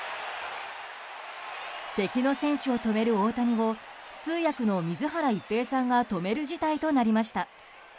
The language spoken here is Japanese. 敵の選手を止める大谷を通訳の水原一平さんが止める事態となりました。